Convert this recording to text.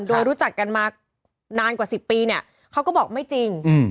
โดยรู้จักกันมานานกว่า๑๐ปีเนี่ยเขาก็บอกไม่จริง